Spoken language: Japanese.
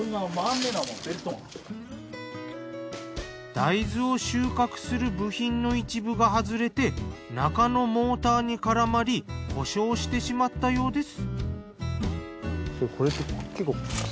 大豆を収穫する部品の一部が外れて中のモーターに絡まり故障してしまったようです。